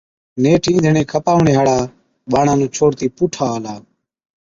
نيٺ، اِينڌڻي کپاوَڻي هاڙا ٻاڙان نُون ڇوڙتِي پُوٺا آلا،